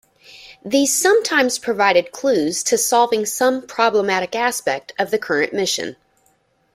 These sometimes provided clues to solving some problematic aspect of the current mission.